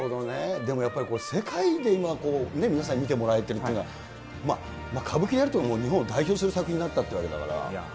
でもやっぱり、世界で今、皆さんに見てもらえてるっていうのは、歌舞伎でやるということは、日本を代表する作品になったってわけだから。